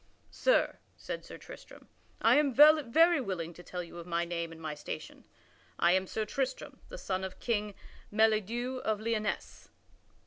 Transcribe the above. "Sir," said Sir Tristram, "I am very willing to tell you my name and my station; I am Sir Tristram, the son of King Meliadus of Lyonesse."